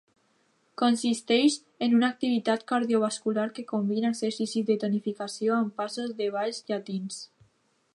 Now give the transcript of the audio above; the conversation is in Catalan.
Consisteix en una activitat cardiovascular que combina exercicis de tonificació amb passos de balls llatins.